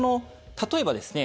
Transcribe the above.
例えばですね